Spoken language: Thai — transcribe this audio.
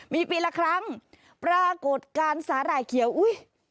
มีปีละครั้งปรากฏการณ์สาหร่ายเขียวอุ้ย